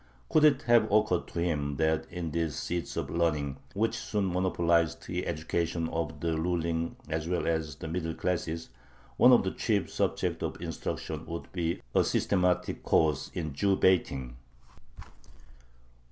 Could it have occurred to him that in these seats of learning, which soon monopolized the education of the ruling as well as the middle classes, one of the chief subjects of instruction would be a systematic course in Jew baiting?